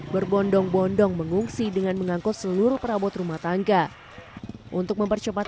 berbondong bondong mengungsi dengan mengangkut seluruh perabot rumah tangga untuk mempercepat